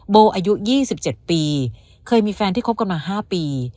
โบอายุ๒๗ปีเคยมีแฟนที่คบกันมา๕ปี